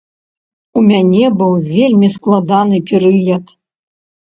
У мяне быў вельмі складаны перыяд.